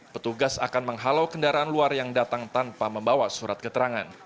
petugas akan menghalau kendaraan luar yang datang tanpa membawa surat keterangan